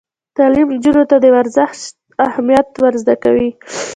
تعلیم نجونو ته د ورزش اهمیت ور زده کوي.